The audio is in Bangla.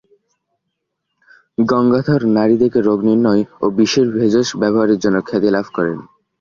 গঙ্গাধর নাড়ি দেখে রোগ নির্ণয় ও বিষের ভেষজ ব্যবহারের জন্য খ্যাতি লাভ করেন।